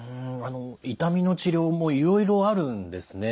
痛みの治療もいろいろあるんですね。